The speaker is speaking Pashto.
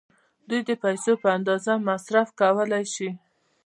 دوی د پیسو په اندازه مصرف کولای شي.